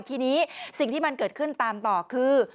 ทีนี้สิ่งที่มันเกิดขึ้นตามต่อคือ